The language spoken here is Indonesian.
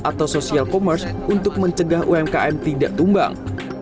atau social commerce untuk mencegah umkm tidak tumbang